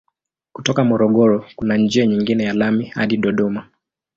Kutoka Morogoro kuna njia nyingine ya lami hadi Dodoma.